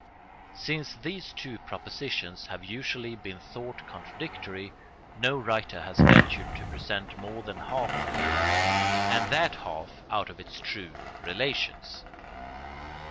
Since these two propositions have usually been thought contradictory, no writer has ventured to present more than half the truth, and that half out of its true relations.